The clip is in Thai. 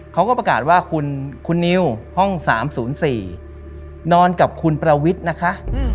เขาก็ประกาศว่าคุณนิวห้อง๓๐๔นอนกับคุณประวิทย์นะคะ